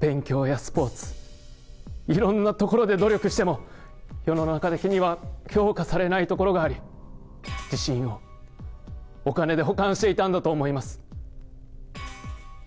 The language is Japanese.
勉強やスポーツ、いろんなところで努力しても、世の中的には評価されないところがあり、自信をお金で補完していたんだと思います。